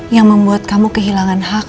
yang membuat kamu kehilangan hak